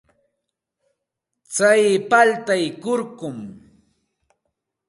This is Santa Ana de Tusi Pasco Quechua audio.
Tsay paltay kurkum.